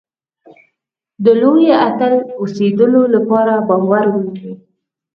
د لوی اتل اوسېدلو لپاره باور ولرئ.